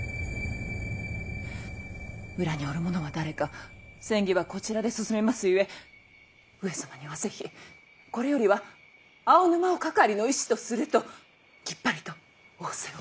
裏におる者は誰か詮議はこちらで進めますゆえ上様にはぜひこれよりは青沼をかかりの医師とするときっぱりと仰せを。